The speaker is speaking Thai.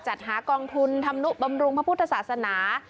จัดหากองทุนธรรมนุบำรุงพระพุทธศาสนา